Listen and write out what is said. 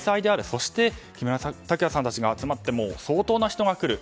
そして、木村拓哉さんたちが集まって相当な人が来る。